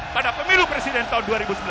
pada pemilu presiden tahun dua ribu sembilan belas